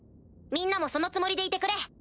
みんなもそのつもりでいてくれ。